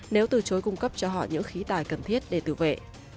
nếu từ chối cung cấp cho họ những khí tài cần thiết để tự vệ